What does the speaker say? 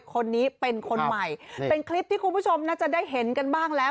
คนนี้เป็นคนใหม่เป็นคลิปที่คุณผู้ชมน่าจะได้เห็นกันบ้างแล้ว